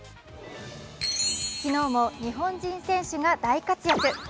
昨日も日本人選手が大活躍。